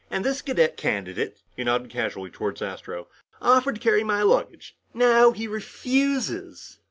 "And this cadet candidate" he nodded casually toward Astro "offered to carry my luggage. Now he refuses."